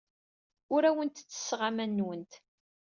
Ur awent-ttesseɣ aman-nwent.